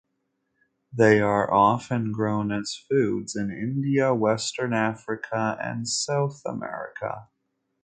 They are often grown as foods in India, Western Africa, and South America.